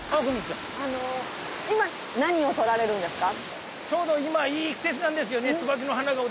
今何を撮られるんですか？